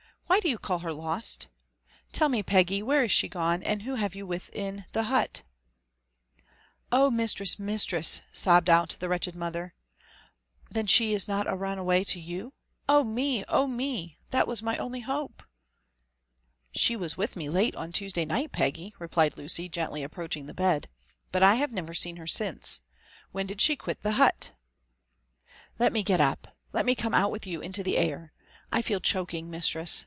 Why do you call JONATHAN JBrFERSON WHITIAW. St her l09t? *Tell me, Peggy, where she is gone, and who you have witk in the hut r '* Oh, mistrefi* 1 midtresft 1" sobbed out the wretched mother, '* then she is not run away to you? — Oh me 1 Oh me i^^that was my only hope!" ''She was with me late on Tuesday night, Peggy," replied Lucy, gently approaching the bed ;*' but I have neyer seen her since. When did she quit the hut r '* Let me get up^et me come out with you into the air l «^I (eel choking, mistress